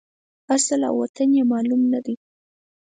اصل او وطن یې معلوم نه دی.